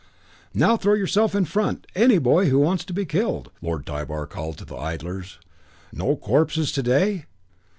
"Now throw yourself in front, any boy who wants to be killed," Lord Tybar called to the idlers. "No corpses to day?"